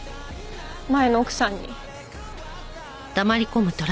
前の奥さんに。